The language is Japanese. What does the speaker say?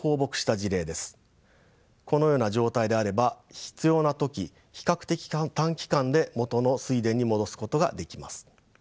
このような状態であれば必要な時比較的短期間で元の水田に戻すことができます。